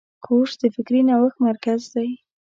کورس د فکري نوښت مرکز دی.